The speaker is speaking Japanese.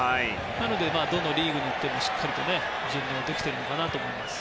なのでどのリーグに行ってもしっかり順応できているんだと思います。